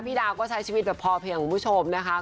ดาวก็ใช้ชีวิตแบบพอเพียงคุณผู้ชมนะคะ